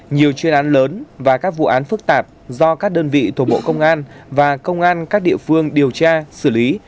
nhiều chuyên án lớn và các vụ án phức tạp do các đơn vị thuộc bộ công an và công an các địa phương điều tra xử lý